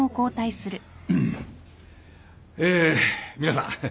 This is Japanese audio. え皆さん。